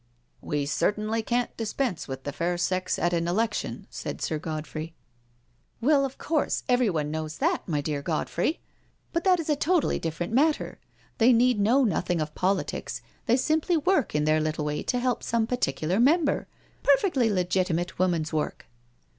'* We certainly can*t dispense with the fair sex at an election," said Sir Godfrey. '* Wislli of course, everyone knows that, my dear Godfrey. But that is a totally different matter; they need know nothing of politics, they simply work in their little way to help some particular member^perfectly legitimate woman's work."